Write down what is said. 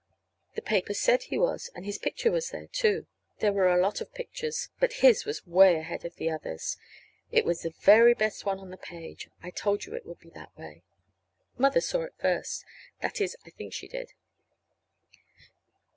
The paper said he was, and his picture was there, too. There were a lot of pictures, but his was away ahead of the others. It was the very best one on the page. (I told you it would be that way.) Mother saw it first. That is, I think she did.